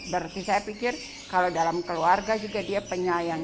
berarti saya pikir kalau dalam keluarga juga dia penyayang